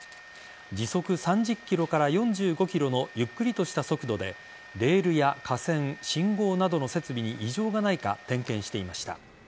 時速３０キロから４５キロのゆっくりとした速度でレールや架線、信号などの設備に異常がないか点検していました。